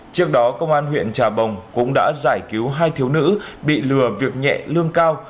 trước đó công an huyện trà bồng cũng đã giải cứu hai thiếu nữ bị lừa việc nhẹ lương cao